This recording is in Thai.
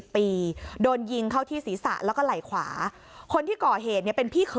โดนยิงเข้าที่ศีรษะแล้วก็ไหล่ขวาคนที่ก่อเหตุเนี่ยเป็นพี่เขย